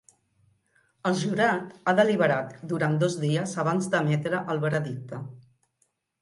El jurat ha deliberat durant dos dies abans d’emetre el veredicte.